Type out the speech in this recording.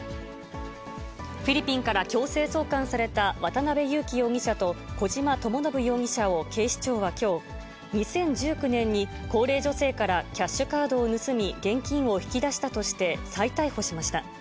フィリピンから強制送還された渡辺優樹容疑者と小島智信容疑者を警視庁はきょう、２０１９年に高齢女性からキャッシュカードを盗み、現金を引き出したとして再逮捕しました。